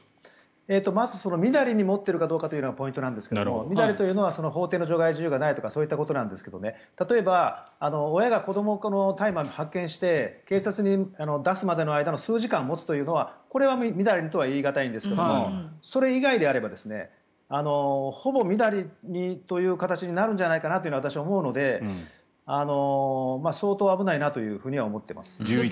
まずみだりに持っているかどうかというのがポイントなんですがみだりというのは法定の除外事由がないとかそういうことなんですが例えば親が、子どもの大麻を発見して、警察に出すまでの数時間持つというのはこれはみだりにとは言い難いんですがそれ以外であればほぼ、みだりにという形になるんじゃないかなと私、思うので相当危ないなとは思っています。